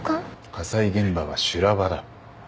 火災現場は修羅場だ。